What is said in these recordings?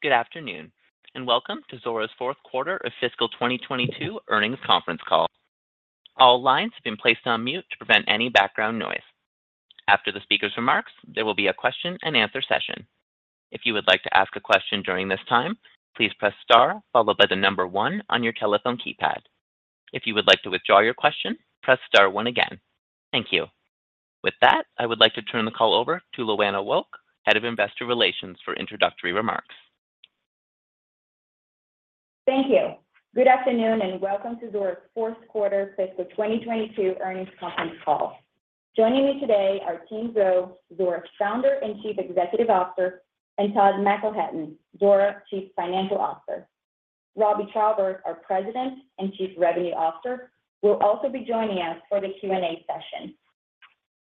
Good afternoon, and welcome to Zuora's fourth quarter of fiscal 2022 earnings conference call. All lines have been placed on mute to prevent any background noise. After the speaker's remarks, there will be a question and answer session. If you would like to ask a question during this time, please press star followed by the number one on your telephone keypad. If you would like to withdraw your question, press star one again. Thank you. With that, I would like to turn the call over to Luana Wolk, Head of Investor Relations for introductory remarks. Thank you. Good afternoon, and welcome to Zuora's fourth quarter fiscal 2022 earnings conference call. Joining me today are Tien Tzuo, Zuora's Founder and Chief Executive Officer, and Todd McElhatton, Zuora's Chief Financial Officer. Robbie Traube, our President and Chief Revenue Officer, will also be joining us for the Q&A session.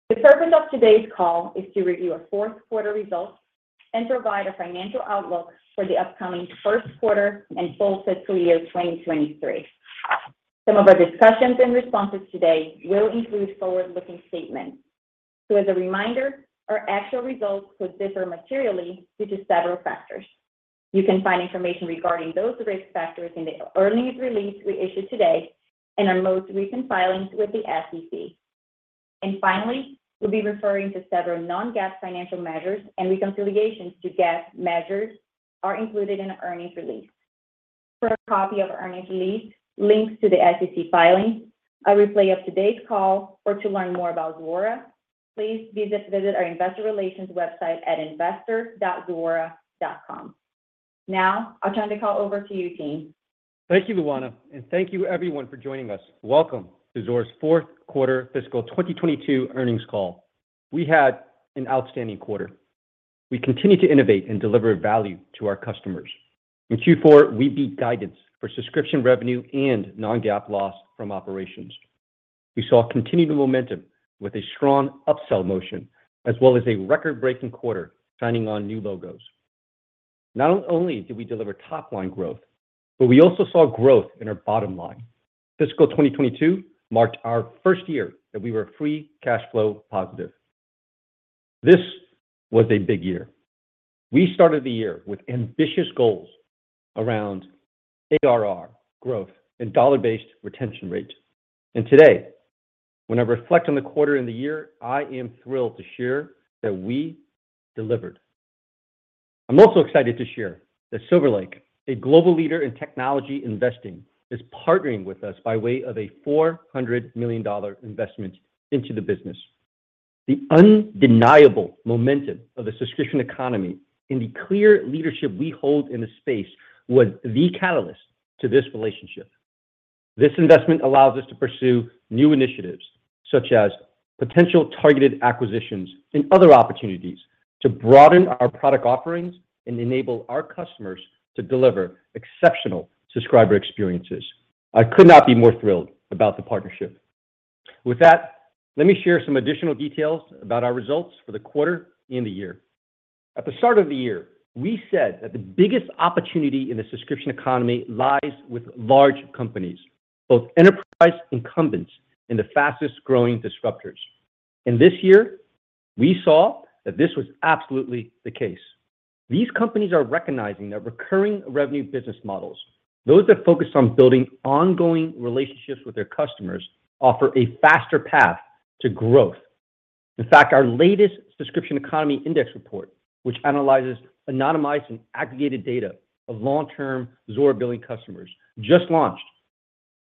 The purpose of today's call is to review our fourth quarter results and provide a financial outlook for the upcoming first quarter and full fiscal year 2023. Some of our discussions and responses today will include forward-looking statements. As a reminder, our actual results could differ materially due to several factors. You can find information regarding those risk factors in the earnings release we issued today and our most recent filings with the SEC. Finally, we'll be referring to several non-GAAP financial measures, and reconciliations to GAAP measures are included in our earnings release. For a copy of our earnings release, links to the SEC filings, a replay of today's call, or to learn more about Zuora, please visit our investor relations website at investor.zuora.com. Now I'll turn the call over to you, Tien. Thank you, Luana, and thank you everyone for joining us. Welcome to Zuora's fourth quarter fiscal 2022 earnings call. We had an outstanding quarter. We continue to innovate and deliver value to our customers. In Q4, we beat guidance for subscription revenue and non-GAAP loss from operations. We saw continued momentum with a strong upsell motion as well as a record-breaking quarter signing on new logos. Not only did we deliver top-line growth, but we also saw growth in our bottom line. Fiscal 2022 marked our first year that we were free cash flow positive. This was a big year. We started the year with ambitious goals around ARR growth and dollar-based retention rates. Today, when I reflect on the quarter and the year, I am thrilled to share that we delivered. I'm also excited to share that Silver Lake, a global leader in technology investing, is partnering with us by way of a $400 million investment into the business. The undeniable momentum of the subscription economy and the clear leadership we hold in the space was the catalyst to this relationship. This investment allows us to pursue new initiatives such as potential targeted acquisitions and other opportunities to broaden our product offerings and enable our customers to deliver exceptional subscriber experiences. I could not be more thrilled about the partnership. With that, let me share some additional details about our results for the quarter and the year. At the start of the year, we said that the biggest opportunity in the subscription economy lies with large companies, both enterprise incumbents and the fastest-growing disruptors. This year, we saw that this was absolutely the case. These companies are recognizing that recurring revenue business models, those that focus on building ongoing relationships with their customers, offer a faster path to growth. In fact, our latest Subscription Economy Index report, which analyzes anonymized and aggregated data of long-term Zuora billing customers, just launched,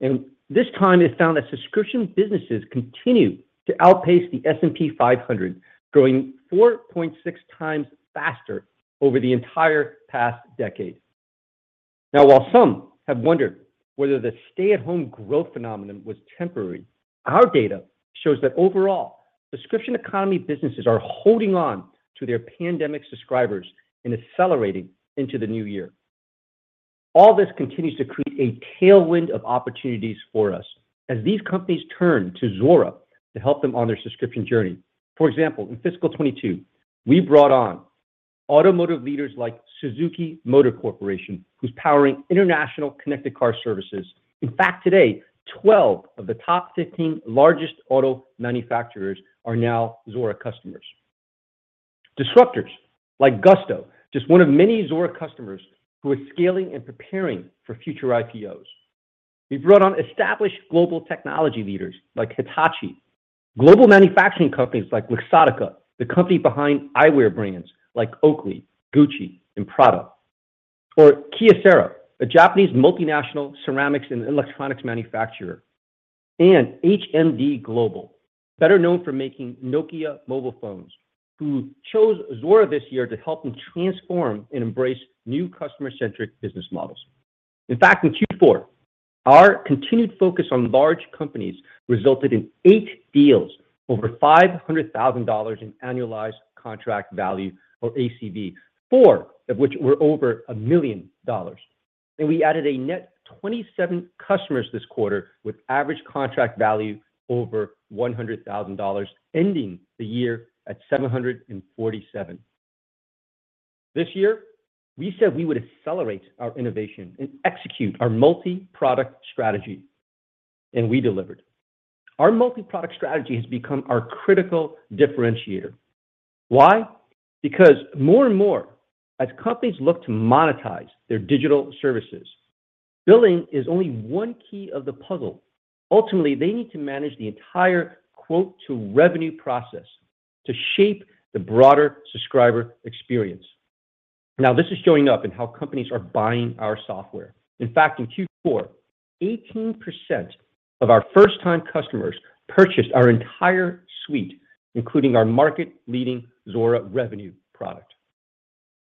and this time it found that subscription businesses continue to outpace the S&P 500, growing 4.6x faster over the entire past decade. While some have wondered whether the stay-at-home growth phenomenon was temporary, our data shows that overall, subscription economy businesses are holding on to their pandemic subscribers and accelerating into the new year. All this continues to create a tailwind of opportunities for us as these companies turn to Zuora to help them on their subscription journey. For example, in fiscal 2022, we brought on automotive leaders like Suzuki Motor Corporation, who's powering international connected car services. In fact, today, 12 of the top 15 largest auto manufacturers are now Zuora customers. Disruptors like Gusto, just one of many Zuora customers who are scaling and preparing for future IPOs. We've brought on established global technology leaders like Hitachi, global manufacturing companies like Luxottica, the company behind eyewear brands like Oakley, Gucci, and Prada, or Kyocera, a Japanese multinational ceramics and electronics manufacturer, and HMD Global, better known for making Nokia mobile phones, who chose Zuora this year to help them transform and embrace new customer-centric business models. In fact, in Q4, our continued focus on large companies resulted in eight deals over $500,000 in annualized contract value or ACV, four of which were over $1 million. We added a net 27 customers this quarter with average contract value over $100,000, ending the year at 747 customers. This year, we said we would accelerate our innovation and execute our multi-product strategy. We delivered. Our multi-product strategy has become our critical differentiator. Why? Because more and more, as companies look to monetize their digital services, billing is only one piece of the puzzle. Ultimately, they need to manage the entire quote to revenue process to shape the broader subscriber experience. Now, this is showing up in how companies are buying our software. In fact, in Q4, 18% of our first-time customers purchased our entire suite, including our market-leading Zuora Revenue product.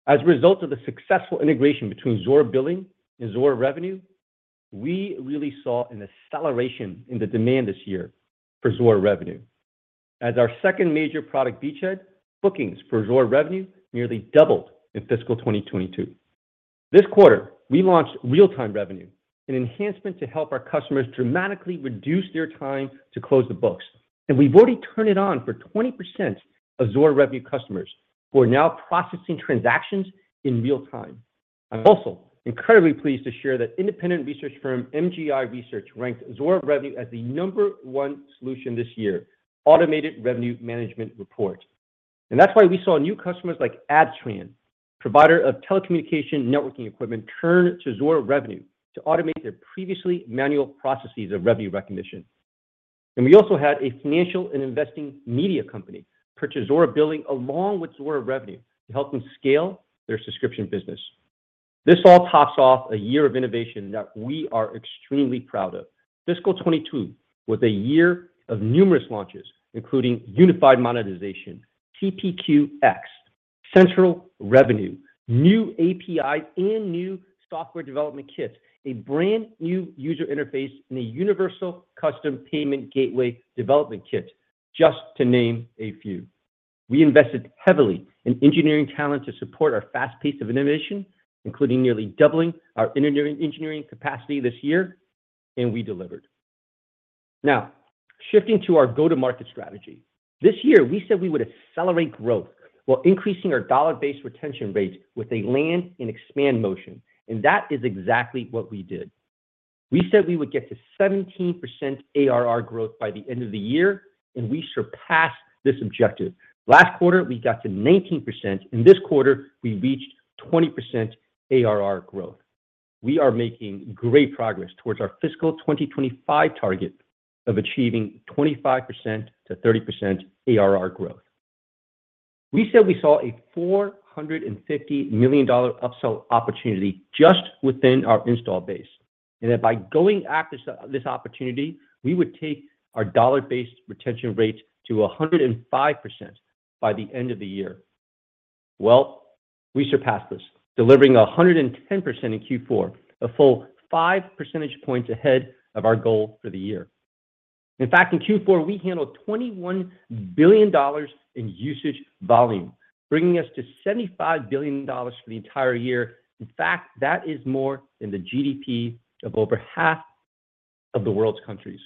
As a result of the successful integration between Zuora Billing and Zuora Revenue, we really saw an acceleration in the demand this year for Zuora Revenue. As our second major product beachhead, bookings for Zuora Revenue nearly doubled in fiscal 2022. This quarter, we launched real-time revenue, an enhancement to help our customers dramatically reduce their time to close the books. We've already turned it on for 20% of Zuora Revenue customers who are now processing transactions in real time. I'm also incredibly pleased to share that independent research firm MGI Research ranked Zuora Revenue as the number one solution in this year's automated revenue management report. That's why we saw new customers like ADTRAN, provider of telecommunication networking equipment, turn to Zuora Revenue to automate their previously manual processes of revenue recognition. We also had a financial and investing media company purchase Zuora Billing along with Zuora Revenue to help them scale their subscription business. This all tops off a year of innovation that we are extremely proud of. Fiscal 2022 was a year of numerous launches, including Unified Monetization, CPQ X, Central Revenue, new APIs and new software development kits, a brand new user interface in a universal custom payment gateway development kit, just to name a few. We invested heavily in engineering talent to support our fast pace of innovation, including nearly doubling our engineering capacity this year, and we delivered. Now, shifting to our go-to-market strategy. This year we said we would accelerate growth while increasing our dollar-based retention rates with a land and expand motion. That is exactly what we did. We said we would get to 17% ARR growth by the end of the year, and we surpassed this objective. Last quarter, we got to 19%. In this quarter, we reached 20% ARR growth. We are making great progress towards our fiscal 2025 target of achieving 25%-30% ARR growth. We said we saw a $450 million upsell opportunity just within our install base, and that by going after this opportunity, we would take our dollar-based retention rate to 105% by the end of the year. Well, we surpassed this, delivering 110% in Q4, a full five percentage points ahead of our goal for the year. In fact, in Q4, we handled $21 billion in usage volume, bringing us to $75 billion for the entire year. In fact, that is more than the GDP of over half of the world's countries.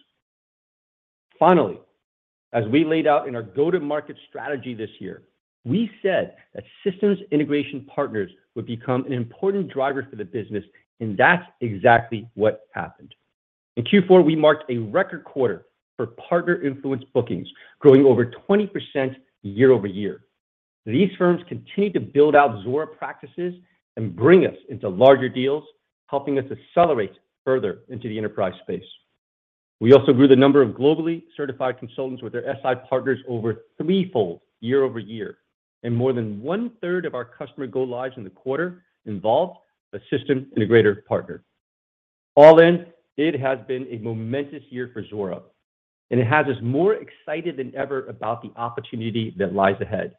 Finally, as we laid out in our go-to-market strategy this year, we said that systems integration partners would become an important driver for the business, and that's exactly what happened. In Q4, we marked a record quarter for partner-influenced bookings, growing over 20% year-over-year. These firms continue to build out Zuora practices and bring us into larger deals, helping us accelerate further into the enterprise space. We also grew the number of globally certified consultants with their SI partners over threefold year-over-year, and more than one-third of our customer go lives in the quarter involved a system integrator partner. All in, it has been a momentous year for Zuora, and it has us more excited than ever about the opportunity that lies ahead.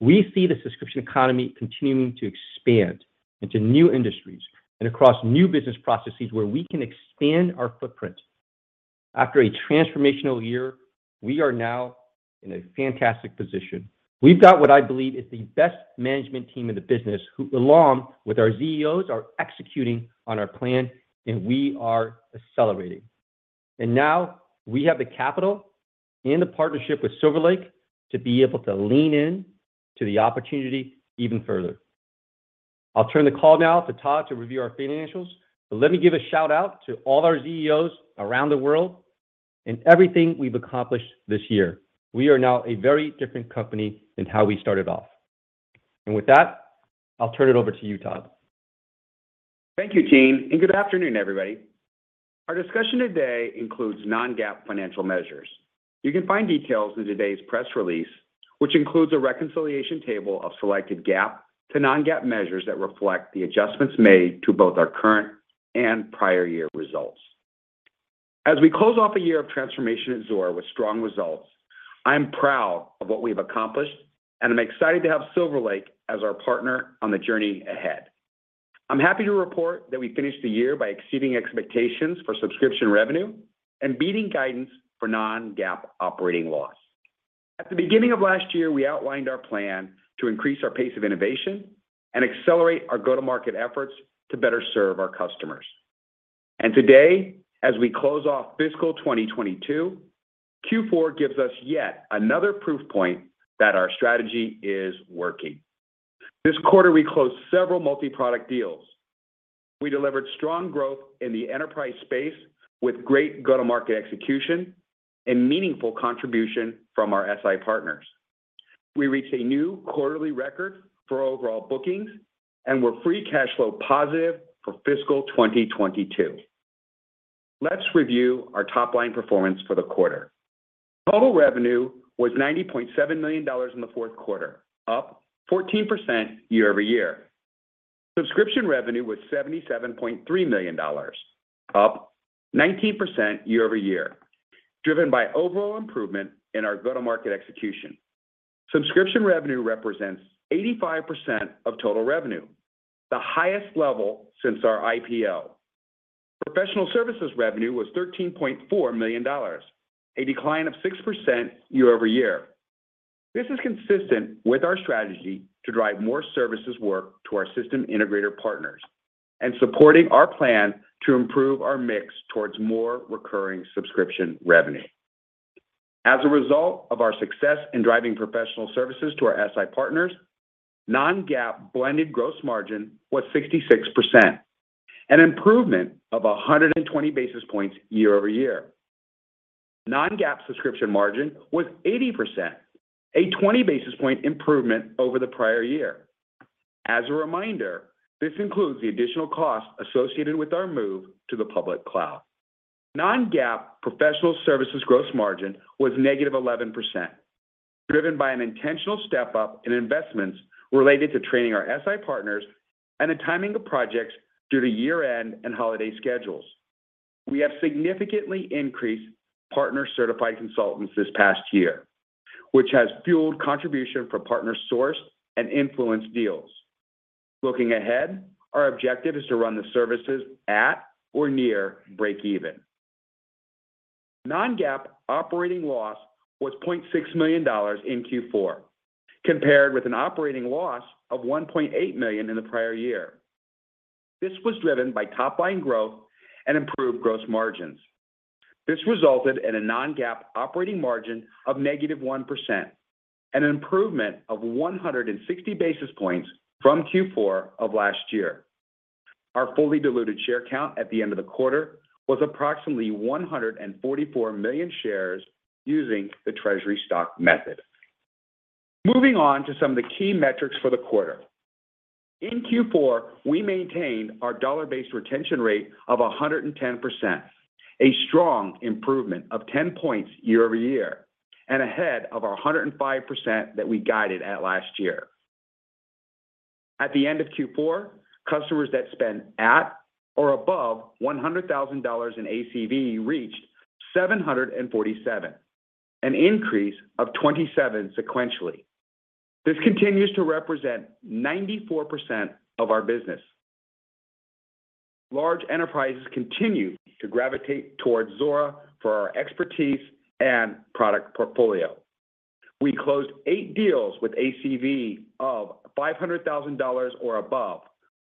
We see the subscription economy continuing to expand into new industries and across new business processes where we can expand our footprint. After a transformational year, we are now in a fantastic position. We've got what I believe is the best management team in the business, who along with our ZEOs, are executing on our plan, and we are accelerating. Now we have the capital and the partnership with Silver Lake to be able to lean in to the opportunity even further. I'll turn the call now to Todd to review our financials, but let me give a shout-out to all our ZEOs around the world and everything we've accomplished this year. We are now a very different company than how we started off. With that, I'll turn it over to you, Todd. Thank you, Tien, and good afternoon, everybody. Our discussion today includes non-GAAP financial measures. You can find details in today's press release, which includes a reconciliation table of selected GAAP to non-GAAP measures that reflect the adjustments made to both our current and prior year results. As we close off a year of transformation at Zuora with strong results, I am proud of what we have accomplished, and I'm excited to have Silver Lake as our partner on the journey ahead. I'm happy to report that we finished the year by exceeding expectations for subscription revenue and beating guidance for non-GAAP operating loss. At the beginning of last year, we outlined our plan to increase our pace of innovation and accelerate our go-to-market efforts to better serve our customers. Today, as we close off fiscal 2022, Q4 gives us yet another proof point that our strategy is working. This quarter, we closed several multi-product deals. We delivered strong growth in the enterprise space with great go-to-market execution and meaningful contribution from our SI partners. We reached a new quarterly record for overall bookings, and we're free cash flow positive for fiscal 2022. Let's review our top-line performance for the quarter. Total revenue was $90.7 million in the fourth quarter, up 14% year-over-year. Subscription revenue was $77.3 million, up 19% year-over-year, driven by overall improvement in our go-to-market execution. Subscription revenue represents 85% of total revenue, the highest level since our IPO. Professional services revenue was $13.4 million, a decline of 6% year-over-year. This is consistent with our strategy to drive more services work to our system integrator partners and supporting our plan to improve our mix towards more recurring subscription revenue. As a result of our success in driving professional services to our SI partners, non-GAAP blended gross margin was 66%, an improvement of 120 basis points year-over-year. Non-GAAP subscription margin was 80%, a 20 basis point improvement over the prior year. As a reminder, this includes the additional costs associated with our move to the public cloud. Non-GAAP professional services gross margin was negative 11%, driven by an intentional step-up in investments related to training our SI partners and the timing of projects due to year-end and holiday schedules. We have significantly increased partner certified consultants this past year, which has fueled contribution for partner sourced and influenced deals. Looking ahead, our objective is to run the services at or near breakeven. Non-GAAP operating loss was $0.6 million in Q4, compared with an operating loss of $1.8 million in the prior year. This was driven by top-line growth and improved gross margins. This resulted in a non-GAAP operating margin of -1%, an improvement of 160 basis points from Q4 of last year. Our fully diluted share count at the end of the quarter was approximately 144 million shares using the treasury stock method. Moving on to some of the key metrics for the quarter. In Q4, we maintained our dollar-based retention rate of 110%, a strong improvement of 10 points year-over-year, and ahead of our 105% that we guided at last year. At the end of Q4, customers that spent at or above $100,000in ACV reached 747 customers, an increase of 27 customers sequentially. This continues to represent 94% of our business. Large enterprises continue to gravitate towards Zuora for our expertise and product portfolio. We closed eight deals with ACV of $500,000 or above,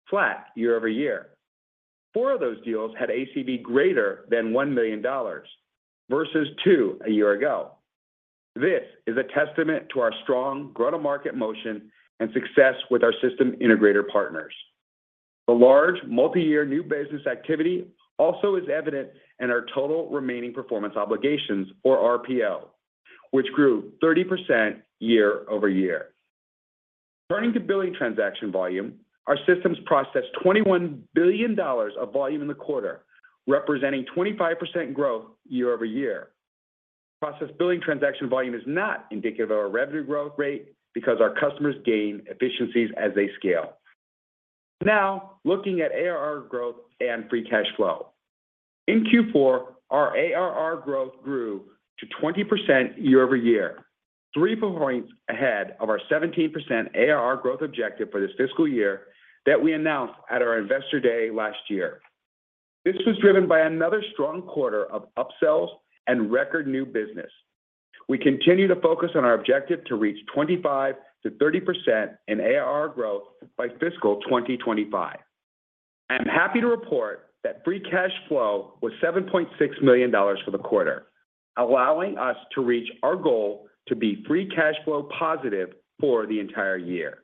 flat year-over-year. Four of those deals had ACV greater than $1 million versus two a year ago. This is a testament to our strong go-to-market motion and success with our system integrator partners. The large multi-year new business activity also is evident in our total remaining performance obligations or RPO, which grew 30% year-over-year. Turning to billing transaction volume, our systems processed $21 billion of volume in the quarter, representing 25% growth year-over-year. Processed billing transaction volume is not indicative of our revenue growth rate because our customers gain efficiencies as they scale. Now, looking at ARR growth and free cash flow. In Q4, our ARR growth grew to 20% year-over-year, 3 points ahead of our 17% ARR growth objective for this fiscal year that we announced at our Investor Day last year. This was driven by another strong quarter of upsells and record new business. We continue to focus on our objective to reach 25%-30% in ARR growth by fiscal 2025. I'm happy to report that free cash flow was $7.6 million for the quarter, allowing us to reach our goal to be free cash flow positive for the entire year.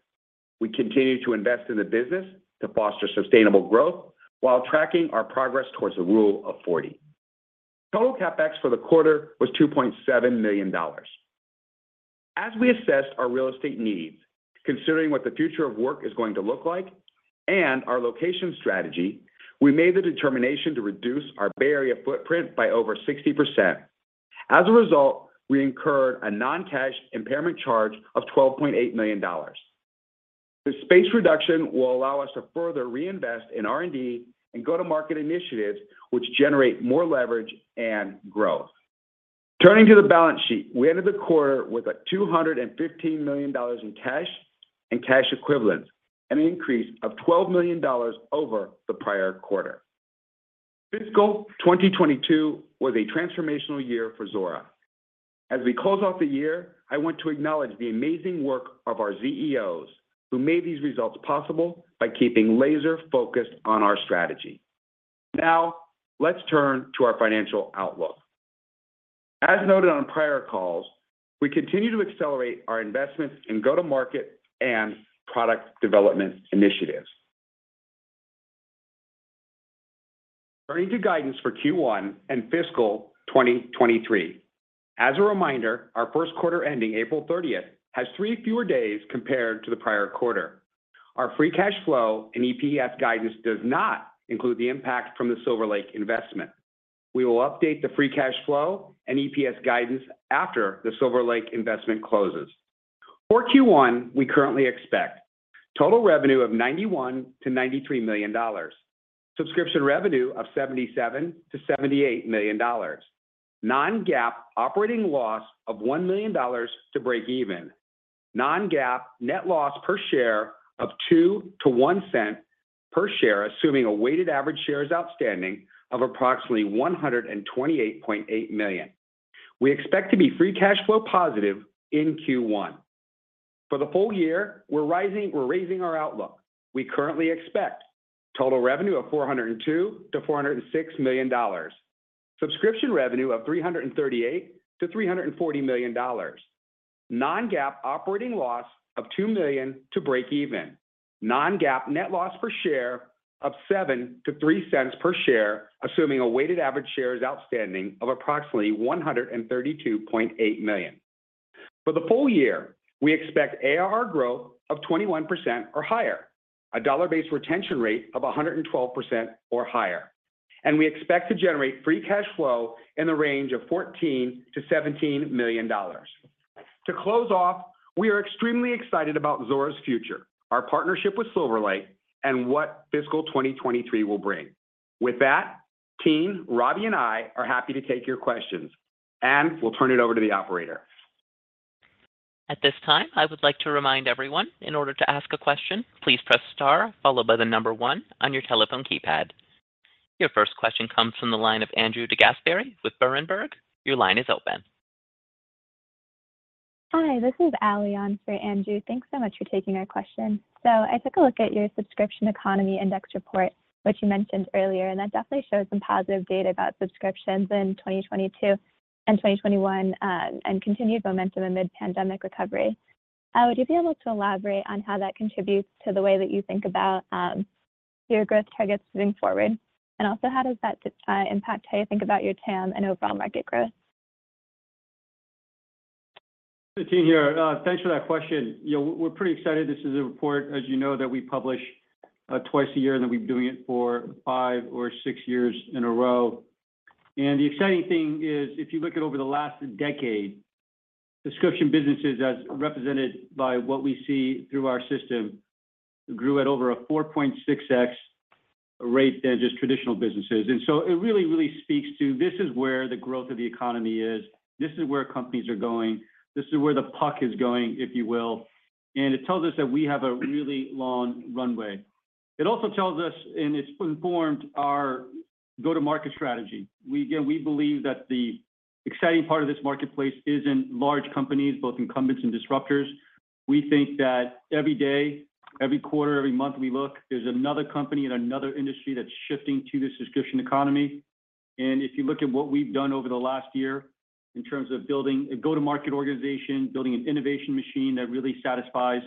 We continue to invest in the business to foster sustainable growth while tracking our progress towards a Rule of 40. Total CapEx for the quarter was $2.7 million. We assess our real estate needs, considering what the future of work is going to look like and our location strategy, we made the determination to reduce our Bay Area footprint by over 60%. As a result, we incurred a non-cash impairment charge of $12.8 million. The space reduction will allow us to further reinvest in R&D and go-to-market initiatives, which generate more leverage and growth. Turning to the balance sheet, we ended the quarter with $215 million in cash and cash equivalents, an increase of $12 million over the prior quarter. Fiscal 2022 was a transformational year for Zuora. As we close off the year, I want to acknowledge the amazing work of our ZEOs, who made these results possible by keeping laser focused on our strategy. Now, let's turn to our financial outlook. As noted on prior calls, we continue to accelerate our investments in go-to-market and product development initiatives. Turning to guidance for Q1 and fiscal 2023. As a reminder, our first quarter ending April 30 has 3 fewer days compared to the prior quarter. Our free cash flow and EPS guidance does not include the impact from the Silver Lake investment. We will update the free cash flow and EPS guidance after the Silver Lake investment closes. For Q1, we currently expect total revenue of $91 million-$93 million, subscription revenue of $77 million-$78 million, non-GAAP operating loss of $1 million to break even, non-GAAP net loss per share of $0.02-$0.01 per share, assuming a weighted average shares outstanding of approximately 128.8 million. We expect to be free cash flow positive in Q1. For the full year, we're raising our outlook. We currently expect total revenue of $402 million-$406 million, subscription revenue of $338 million-$340 million, non-GAAP operating loss of $2 million to break even, non-GAAP net loss per share of $0.07-$0.03 per share, assuming a weighted average shares outstanding of approximately 132.8 million. For the full year, we expect ARR growth of 21% or higher, a dollar-based retention rate of 112% or higher, and we expect to generate free cash flow in the range of $14 million-$17 million. To close off, we are extremely excited about Zuora's future, our partnership with Silver Lake, and what fiscal 2023 will bring. With that, team, Robbie, and I are happy to take your questions, and we'll turn it over to the operator. At this time, I would like to remind everyone in order to ask a question, please press star followed by 1 on your telephone keypad. Your first question comes from the line of Andrew DeGasperi with Berenberg. Your line is open. Hi, this is Ally on for Andrew. Thanks so much for taking our question. I took a look at your Subscription Economy Index report, which you mentioned earlier, and that definitely shows some positive data about subscriptions in 2022 and 2021, and continued momentum amid pandemic recovery. Would you be able to elaborate on how that contributes to the way that you think about your growth targets moving forward? Also, how does that impact how you think about your TAM and overall market growth? This is Tien here. Thanks for that question. You know, we're pretty excited. This is a report, as you know, that we publish twice a year, and then we've been doing it for five or six years in a row. The exciting thing is, if you look at over the last decade, subscription businesses as represented by what we see through our system grew at over a 4.6x rate than just traditional businesses. It really, really speaks to this is where the growth of the economy is. This is where companies are going. This is where the puck is going, if you will. It tells us that we have a really long runway. It also tells us, and it's informed our go-to-market strategy. We believe that the exciting part of this marketplace isn't large companies, both incumbents and disruptors. We think that every day, every quarter, every month we look, there's another company in another industry that's shifting to the subscription economy. If you look at what we've done over the last year in terms of building a go-to-market organization, building an innovation machine that really satisfies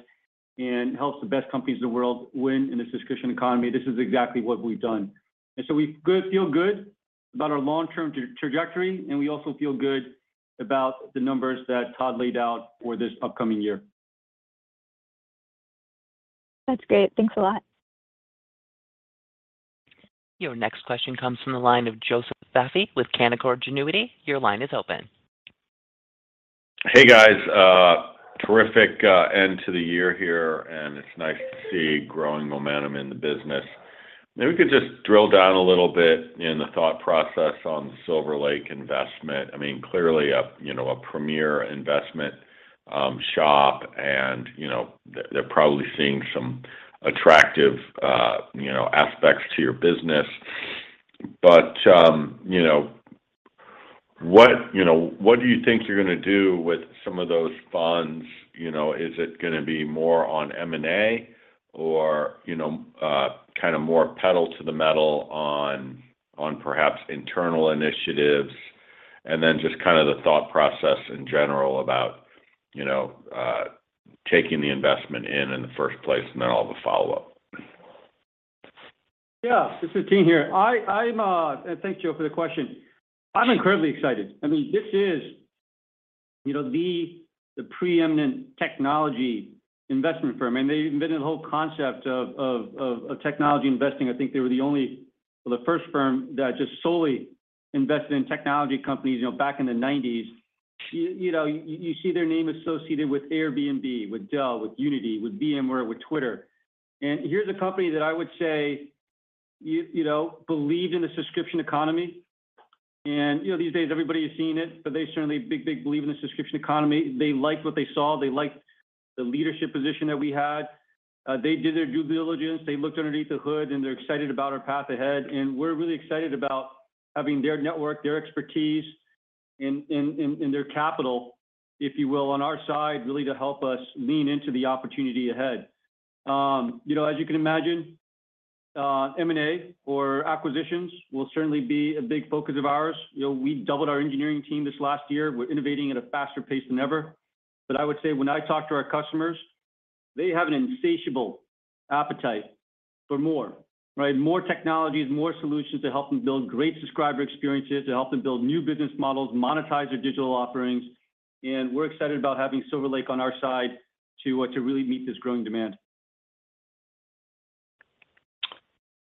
and helps the best companies in the world win in the subscription economy, this is exactly what we've done. We feel good about our long-term trajectory, and we also feel good about the numbers that Todd laid out for this upcoming year. That's great. Thanks a lot. Your next question comes from the line of Joseph Vafi with Canaccord Genuity. Your line is open. Hey, guys. Terrific end to the year here, and it's nice to see growing momentum in the business. Maybe we could just drill down a little bit in the thought process on the Silver Lake investment. I mean, clearly a premier investment shop and they're probably seeing some attractive aspects to your business. But you know, what do you think you're gonna do with some of those funds? You know, is it gonna be more on M&A or kinda more pedal to the metal on perhaps internal initiatives? And then just kinda the thought process in general about taking the investment in the first place and then all the follow-up. Yeah, this is Tien here. Thank you for the question. I'm incredibly excited. I mean, this is, you know, the preeminent technology investment firm, and they invented the whole concept of technology investing. I think they were the only or the first firm that just solely invested in technology companies, you know, back in the nineties. You know, you see their name associated with Airbnb, with Dell, with Unity, with VMware, with Twitter. Here's a company that I would say, you know, believed in the subscription economy. You know, these days everybody's seen it, but they certainly bigly believe in the subscription economy. They liked what they saw. They liked the leadership position that we had. They did their due diligence, they looked underneath the hood, and they're excited about our path ahead. We're really excited about having their network, their expertise in their capital, if you will, on our side, really to help us lean into the opportunity ahead. You know, as you can imagine, M&A or acquisitions will certainly be a big focus of ours. You know, we doubled our engineering team this last year. We're innovating at a faster pace than ever. But I would say when I talk to our customers, they have an insatiable appetite for more, right? More technologies, more solutions to help them build great subscriber experiences, to help them build new business models, monetize their digital offerings. We're excited about having Silver Lake on our side to really meet this growing demand.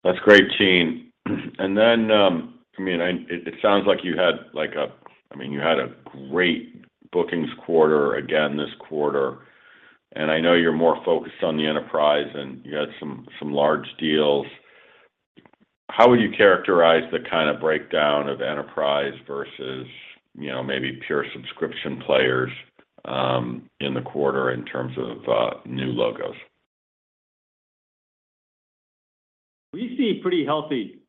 That's great, team. I mean, it sounds like you had a great bookings quarter again this quarter, and I know you're more focused on the enterprise, and you had some large deals. How would you characterize the kind of breakdown of enterprise versus, you know, maybe pure subscription players, in the quarter in terms of new logos? We see pretty healthy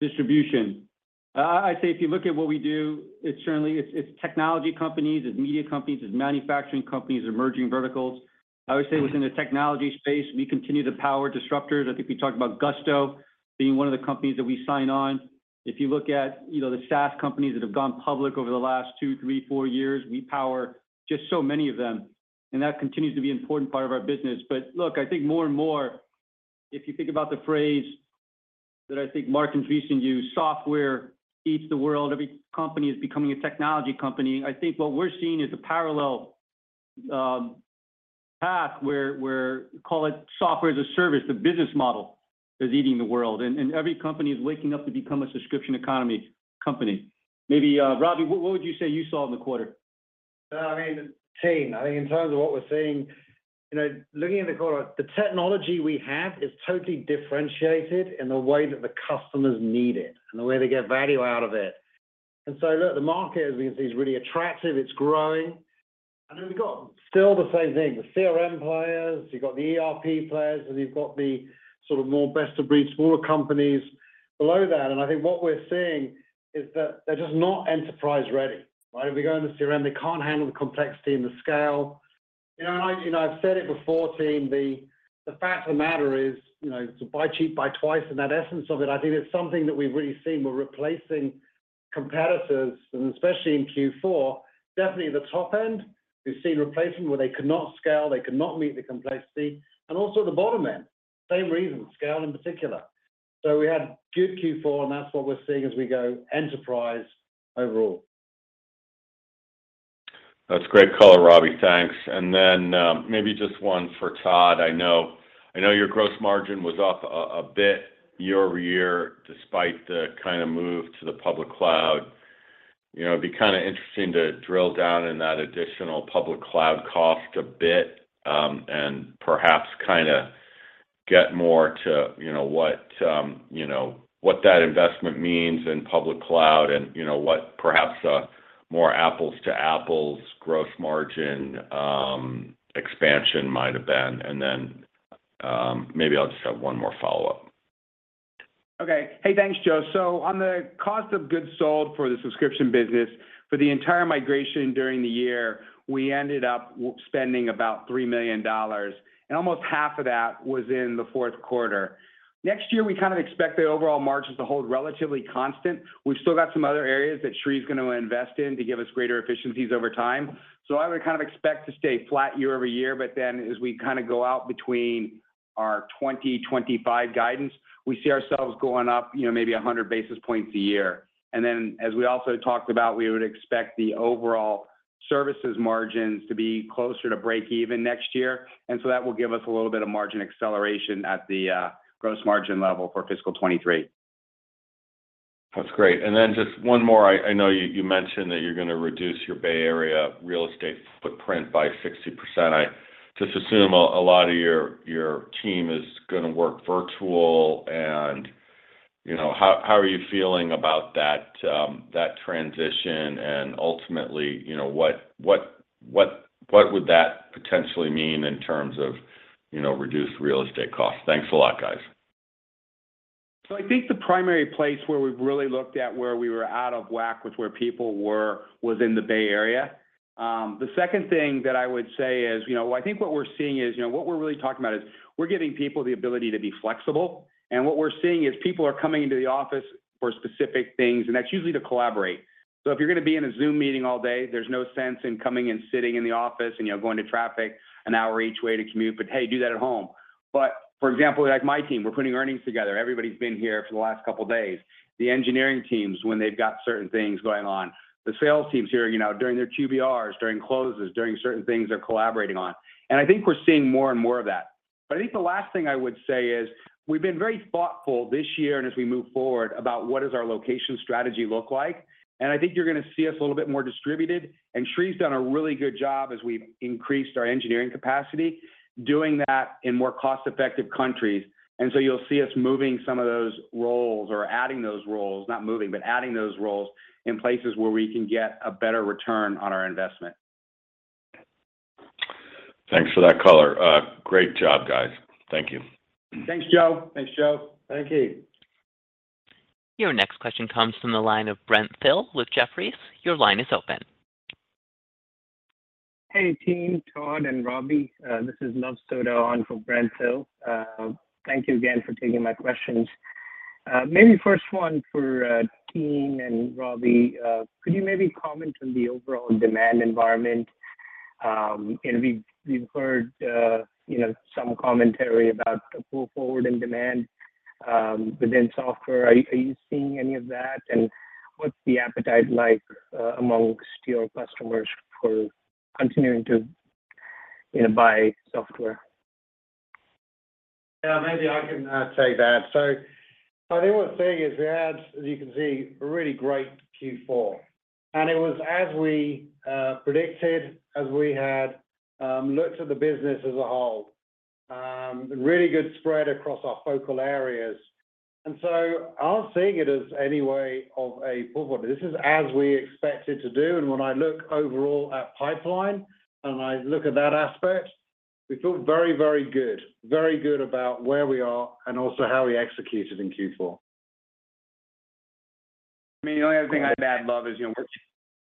distribution. I'd say if you look at what we do, it's technology companies, it's media companies, it's manufacturing companies, emerging verticals. I would say within the technology space, we continue to power disruptors. I think we talked about Gusto being one of the companies that we sign on. If you look at, you know, the SaaS companies that have gone public over the last two, three, four years, we power just so many of them, and that continues to be an important part of our business. Look, I think more and more, if you think about the phrase that I think Marc Andreessen used, "Software eats the world," every company is becoming a technology company. I think what we're seeing is a parallel path where call it software as a service, the business model is eating the world. Every company is waking up to become a Subscription Economy company. Maybe, Robbie, what would you say you saw in the quarter? I mean, team, I think in terms of what we're seeing, you know, looking in the quarter, the technology we have is totally differentiated in the way that the customers need it and the way they get value out of it. Look, the market, as we can see, is really attractive, it's growing. We've got still the same thing, the CRM players, you've got the ERP players, and you've got the sort of more best-of-breed smaller companies below that. I think what we're seeing is that they're just not enterprise ready, right? If we go into CRM, they can't handle the complexity and the scale. You know, and I, you know, I've said it before, team, the fact of the matter is, you know, to buy cheap, buy twice, and that essence of it, I think it's something that we've really seen. We're replacing competitors, and especially in Q4, definitely the top end, we've seen replacement where they could not scale, they could not meet the complexity. Also the bottom end, same reason, scale in particular. We had good Q4, and that's what we're seeing as we go enterprise overall. That's great color, Robbie. Thanks. Maybe just one for Todd. I know your gross margin was up a bit year over year despite the kinda move to the public cloud. You know, it'd be kinda interesting to drill down in that additional public cloud cost a bit, and perhaps kinda get more to, you know, what, you know, what that investment means in public cloud and, you know, what perhaps a more apples to apples gross margin expansion might have been. Maybe I'll just have one more follow-up. Okay. Hey, thanks, Joe. On the cost of goods sold for the subscription business, for the entire migration during the year, we ended up spending about $3 million, and almost half of that was in the fourth quarter. Next year, we kind of expect the overall margins to hold relatively constant. We've still got some other areas that Sri is gonna invest in to give us greater efficiencies over time. I would kind of expect to stay flat year-over-year, but then as we kinda go out between our 2025 guidance, we see ourselves going up, you know, maybe 100 basis points a year. As we also talked about, we would expect the overall services margins to be closer to break even next year. That will give us a little bit of margin acceleration at the gross margin level for fiscal 2023. That's great. Then just one more. I know you mentioned that you're gonna reduce your Bay Area real estate footprint by 60%. I just assume a lot of your team is gonna work virtual and, you know, how are you feeling about that transition? Ultimately, you know, what would that potentially mean in terms of, you know, reduced real estate costs? Thanks a lot, guys. I think the primary place where we've really looked at where we were out of whack with where people were was in the Bay Area. The second thing that I would say is, you know, I think what we're seeing is, you know, what we're really talking about is we're giving people the ability to be flexible. What we're seeing is people are coming into the office for specific things, and that's usually to collaborate. If you're gonna be in a Zoom meeting all day, there's no sense in coming and sitting in the office and, you know, going to traffic an hour each way to commute. Hey, do that at home. For example, like my team, we're putting earnings together. Everybody's been here for the last couple of days. The engineering teams, when they've got certain things going on. The sales teams here, you know, during their QBRs, during closes, during certain things they're collaborating on. I think we're seeing more and more of that. I think the last thing I would say is we've been very thoughtful this year and as we move forward about what does our location strategy look like. I think you're gonna see us a little bit more distributed. Sri's done a really good job as we've increased our engineering capacity, doing that in more cost-effective countries. You'll see us moving some of those roles or adding those roles, not moving, but adding those roles in places where we can get a better return on our investment. Thanks for that color. Great job, guys. Thank you. Thanks, Joe. Thank you. Your next question comes from the line of Brent Thill with Jefferies. Your line is open. Hey, Tien, Todd and Robbie. This is Luv Sodha on for Brent Thill. Thank you again for taking my questions. Maybe first one for Tien and Robbie. Could you maybe comment on the overall demand environment? We've heard, you know, some commentary about the pull forward in demand within software. Are you seeing any of that? What's the appetite like among your customers for continuing to, you know, buy software? Yeah, maybe I can take that. The only thing is we had, as you can see, a really great Q4. It was as we predicted, as we had looked at the business as a whole, really good spread across our focal areas. I'm not seeing it in any way as a pull forward. This is as we expected to do, and when I look overall at pipeline, and I look at that aspect, we feel very good about where we are and also how we executed in Q4. I mean, the only other thing I'd add, Luv, is, you know, we're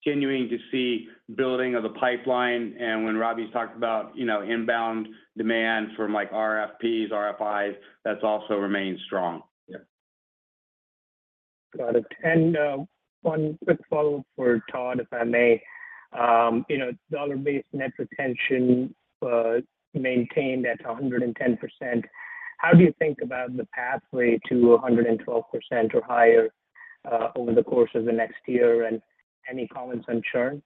continuing to see building of the pipeline. When Robbie's talked about, you know, inbound demand from like RFPs, RFIs, that's also remained strong. Yeah. Got it. One quick follow-up for Todd, if I may. You know, dollar-based net retention maintained at 110%. How do you think about the pathway to 112% or higher over the course of the next year? Any comments on churn?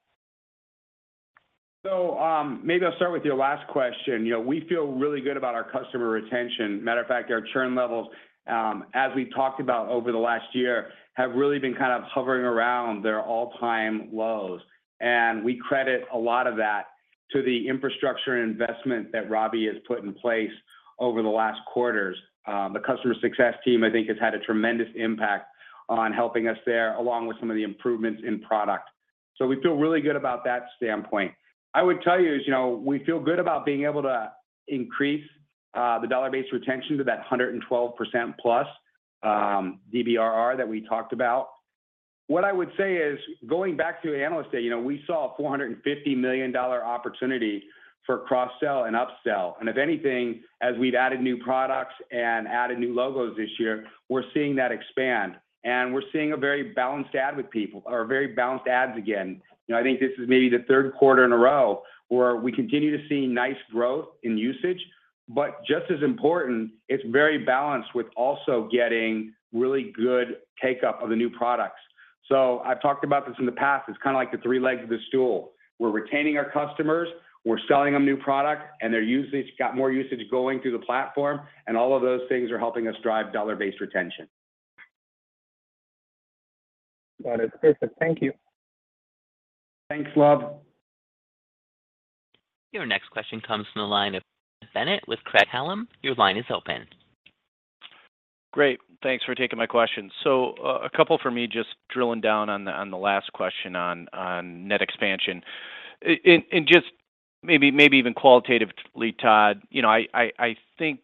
Maybe I'll start with your last question. You know, we feel really good about our customer retention. Matter of fact, our churn levels, as we've talked about over the last year, have really been kind of hovering around their all-time lows. We credit a lot of that to the infrastructure and investment that Robbie has put in place over the last quarters. The customer success team, I think, has had a tremendous impact on helping us there, along with some of the improvements in product. We feel really good about that standpoint. I would tell you is, you know, we feel good about being able to increase, the dollar-based retention to that 112% plus, DBRR that we talked about. What I would say is, going back to Analyst Day, you know, we saw a $450 million opportunity for cross-sell and up-sell. If anything, as we've added new products and added new logos this year, we're seeing that expand. We're seeing a very balanced add again. You know, I think this is maybe the third quarter in a row where we continue to see nice growth in usage. But just as important, it's very balanced with also getting really good take-up of the new products. I've talked about this in the past, it's kind of like the three legs of the stool. We're retaining our customers, we're selling them new product, and got more usage going through the platform, and all of those things are helping us drive dollar-based retention. Got it. Perfect. Thank you. Thanks, Luv. Your next question comes from the line of Chad Bennett with Craig-Hallum. Your line is open. Great. Thanks for taking my question. A couple for me just drilling down on the last question on net expansion. I just maybe even qualitatively, Todd. You know, I think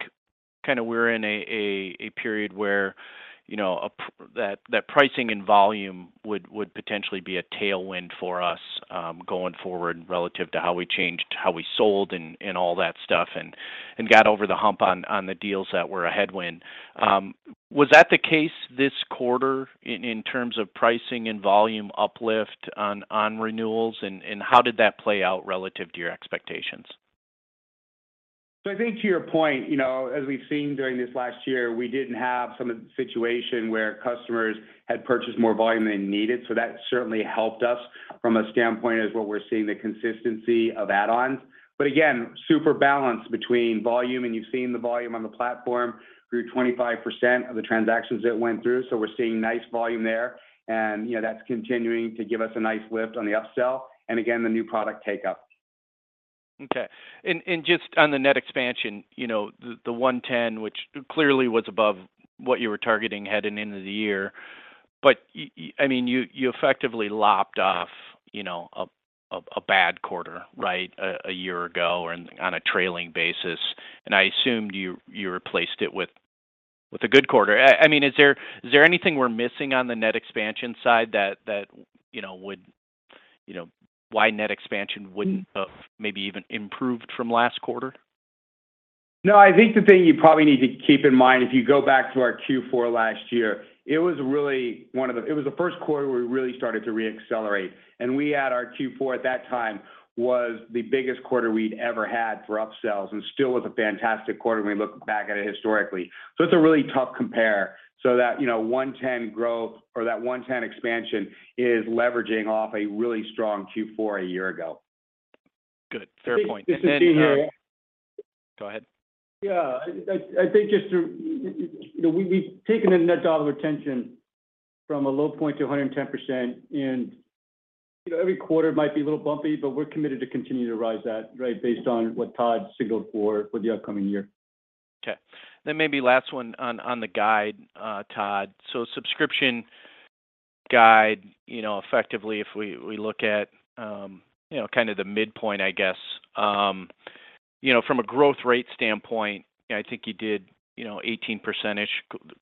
kind of we're in a period where you know that pricing and volume would potentially be a tailwind for us going forward relative to how we changed how we sold and all that stuff and got over the hump on the deals that were a headwind. Was that the case this quarter in terms of pricing and volume uplift on renewals? How did that play out relative to your expectations? I think to your point, you know, as we've seen during this last year, we didn't have some of the situation where customers had purchased more volume than needed. That certainly helped us from a standpoint as what we're seeing the consistency of add-ons. Again, super balanced between volume, and you've seen the volume on the platform through 25% of the transactions that went through. We're seeing nice volume there. You know, that's continuing to give us a nice lift on the up-sell and again, the new product take-up. Okay. Just on the net expansion, you know, the 110%, which clearly was above what you were targeting heading into the year. I mean, you effectively lopped off, you know, a bad quarter, right, a year ago and on a trailing basis, and I assumed you replaced it with a good quarter. I mean, is there anything we're missing on the net expansion side that, you know, would, you know, why net expansion wouldn't have maybe even improved from last quarter? No, I think the thing you probably need to keep in mind, if you go back to our Q4 last year, it was the first quarter where we really started to reaccelerate. Our Q4 at that time was the biggest quarter we'd ever had for upsells, and still was a fantastic quarter when we look back at it historically. It's a really tough compare. That, you know, 110% growth or that 110% expansion is leveraging off a really strong Q4 a year ago. Good. Fair point. This is... Go ahead. Yeah. I think just to, you know, we've taken the net dollar retention from a low point to 110%. You know, every quarter might be a little bumpy, but we're committed to continue to rise that, right, based on what Todd signaled for the upcoming year. Okay. Maybe last one on the guidance, Todd. Subscription guidance, you know, effectively, if we look at, you know, kind of the midpoint, I guess. You know, from a growth rate standpoint, I think you did, you know, 18%,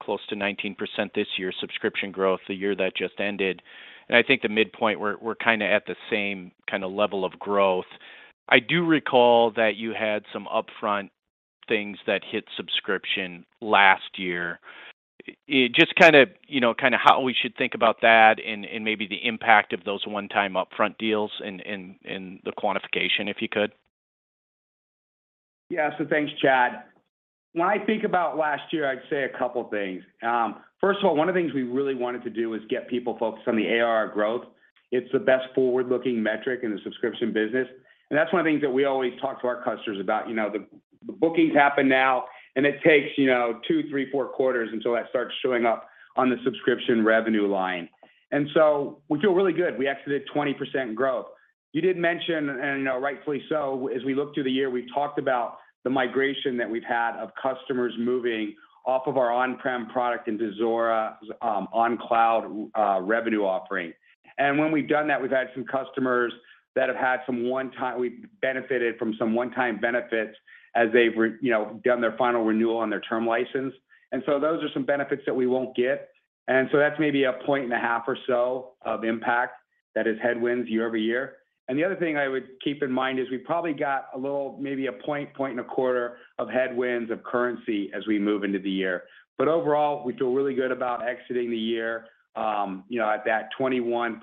close to 19% this year subscription growth the year that just ended. I think the midpoint we're kinda at the same kinda level of growth. I do recall that you had some upfront things that hit subscription last year. Just kinda, you know, kinda how we should think about that and maybe the impact of those one-time upfront deals in the quantification, if you could. Yeah. Thanks, Chad. When I think about last year, I'd say a couple things. First of all, one of the things we really wanted to do was get people focused on the ARR growth. It's the best forward-looking metric in the subscription business. That's one of the things that we always talk to our customers about. You know, the bookings happen now, and it takes, you know, two, three, four quarters until that starts showing up on the subscription revenue line. We feel really good. We exited 20% growth. You did mention, and you know, rightfully so, as we look through the year, we talked about the migration that we've had of customers moving off of our on-prem product into Zuora's on-cloud revenue offering. When we've done that, we've benefited from some one-time benefits as they've, you know, done their final renewal on their term license. Those are some benefits that we won't get. That's maybe a 1.5-point or so of impact that is headwinds year-over-year. The other thing I would keep in mind is we probably got a little, maybe a 1.25-point of headwinds of currency as we move into the year. Overall, we feel really good about exiting the year, you know, at that 21%+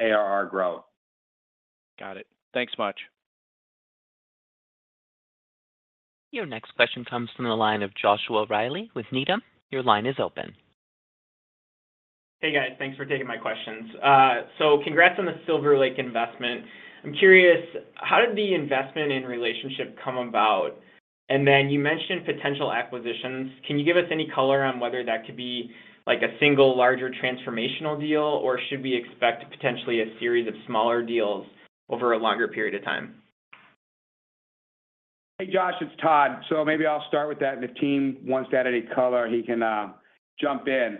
ARR growth. Got it. Thanks much. Your next question comes from the line of Joshua Reilly with Needham. Your line is open. Hey, guys. Thanks for taking my questions. Congrats on the Silver Lake investment. I'm curious, how did the investment and relationship come about? You mentioned potential acquisitions. Can you give us any color on whether that could be like a single larger transformational deal, or should we expect potentially a series of smaller deals over a longer period of time? Hey, Josh, it's Todd. Maybe I'll start with that, and if Tien wants to add any color, he can jump in.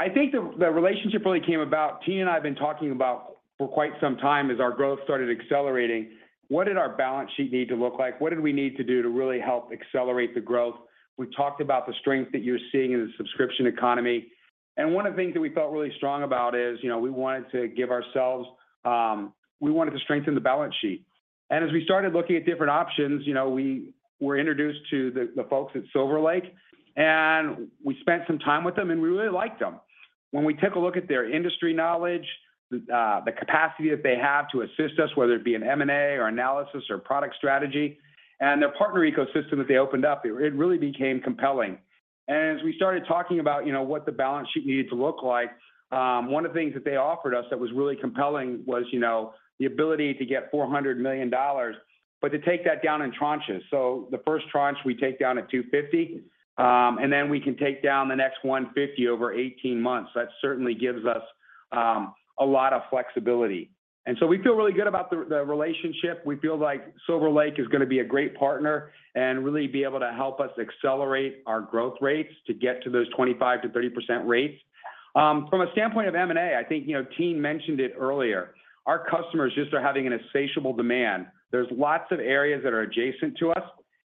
I think the relationship really came about. Tien and I have been talking about for quite some time as our growth started accelerating, what did our balance sheet need to look like? What did we need to do to really help accelerate the growth? We talked about the strength that you're seeing in the subscription economy. One of the things that we felt really strong about is, you know, we wanted to strengthen the balance sheet. As we started looking at different options, you know, we were introduced to the folks at Silver Lake, and we spent some time with them, and we really liked them. When we took a look at their industry knowledge, the capacity that they have to assist us, whether it be in M&A or analysis or product strategy, and their partner ecosystem that they opened up, it really became compelling. As we started talking about, you know, what the balance sheet needed to look like, one of the things that they offered us that was really compelling was, you know, the ability to get $400 million, but to take that down in tranches. The first tranche we take down at $250 million, and then we can take down the next $150 million over 18 months. That certainly gives us a lot of flexibility. We feel really good about the relationship. We feel like Silver Lake is gonna be a great partner and really be able to help us accelerate our growth rates to get to those 25%-30% rates. From a standpoint of M&A, I think, you know, Tien mentioned it earlier. Our customers just are having an insatiable demand. There's lots of areas that are adjacent to us.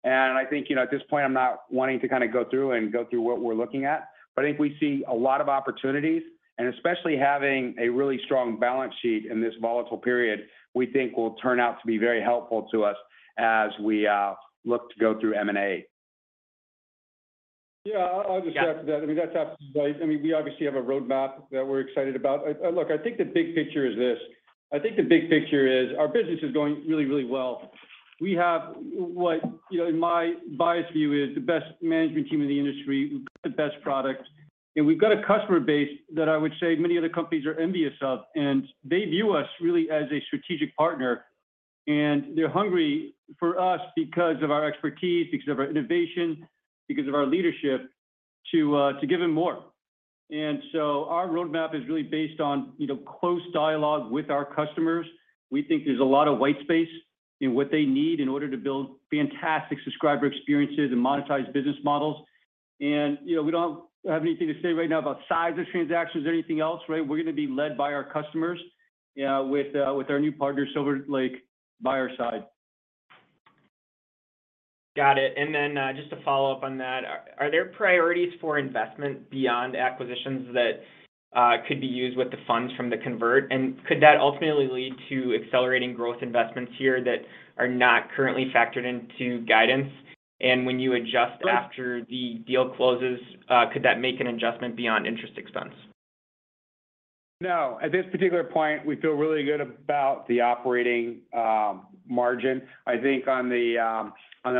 I think, you know, at this point, I'm not wanting to kinda go through what we're looking at, but I think we see a lot of opportunities, and especially having a really strong balance sheet in this volatile period, we think will turn out to be very helpful to us as we look to go through M&A. Yeah. Yeah, I'll just add to that. I mean, that's absolutely right. I mean, we obviously have a roadmap that we're excited about. Look, I think the big picture is this. I think the big picture is our business is going really, really well. We have what, you know, in my biased view is the best management team in the industry, we've got the best product, and we've got a customer base that I would say many other companies are envious of, and they view us really as a strategic partner. They're hungry for us because of our expertise, because of our innovation, because of our leadership to give them more. Our roadmap is really based on, you know, close dialogue with our customers. We think there's a lot of white space in what they need in order to build fantastic subscriber experiences and monetize business models. You know, we don't have anything to say right now about size of transactions or anything else, right? We're gonna be led by our customers, with our new partner, Silver Lake, by our side. Got it. Then, just to follow up on that, are there priorities for investment beyond acquisitions that could be used with the funds from the convert? Could that ultimately lead to accelerating growth investments here that are not currently factored into guidance? When you adjust after the deal closes, could that make an adjustment beyond interest expense? No. At this particular point, we feel really good about the operating margin. I think on the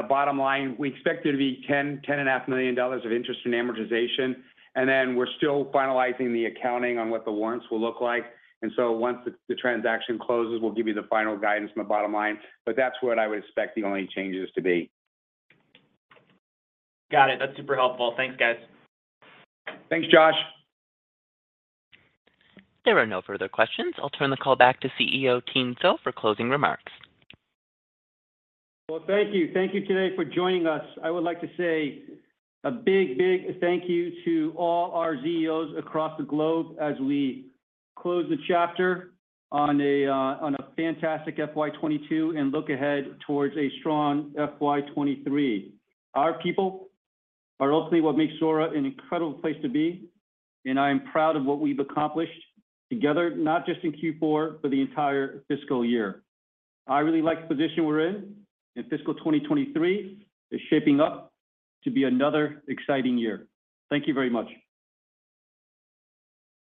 bottom line, we expect there to be $10 million-$10.5 million of interest and amortization, and then we're still finalizing the accounting on what the warrants will look like. Once the transaction closes, we'll give you the final guidance on the bottom line. That's what I would expect the only changes to be. Got it. That's super helpful. Thanks, guys. Thanks, Josh. There are no further questions. I'll turn the call back to CEO Tien Tzuo for closing remarks. Well, thank you. Thank you today for joining us. I would like to say a big, big thank you to all our ZEOs across the globe as we close the chapter on a fantastic FY 2022 and look ahead towards a strong FY 2023. Our people are ultimately what makes Zuora an incredible place to be, and I am proud of what we've accomplished together, not just in Q4, but the entire fiscal year. I really like the position we're in, and fiscal 2023 is shaping up to be another exciting year. Thank you very much.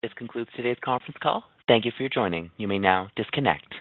This concludes today's conference call. Thank you for joining. You may now disconnect.